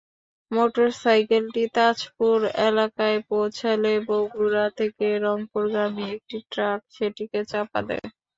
মোটরসাইকেলটি তাজপুর এলাকায় পৌঁছালে বগুড়া থেকে রংপুরগামী একটি ট্রাক সেটিকে চাপা দেয়।